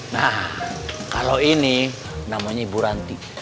nah kalau ini namanya ibu ranti